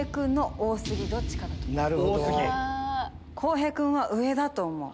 洸平君は上だと思う。